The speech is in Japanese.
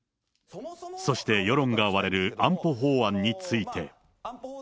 そして世論が割れる安保法案について。